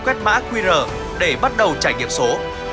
quét mã qr để bắt đầu trải nghiệm số